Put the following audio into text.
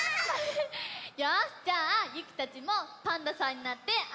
よしじゃあゆきたちもパンダさんになってあそんじゃおう！